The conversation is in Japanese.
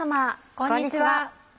こんにちは。